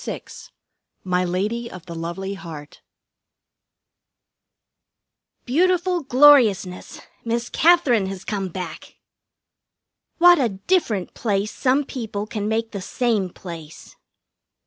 VI "MY LADY OF THE LOVELY HEART" Beautiful gloriousness! Miss Katherine has come back! What a different place some people can make the same place!